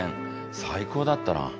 最高だったな。